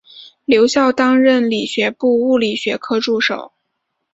留校担任理学部物理学科助手。